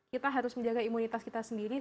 kita harus menjaga imunitas kita sendiri